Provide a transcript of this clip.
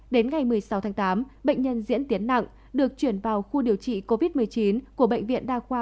đến ngày một mươi sáu tháng tám bệnh nhân diễn tiến nặng được chuyển vào khu điều trị covid một mươi chín của bệnh viện đa khoa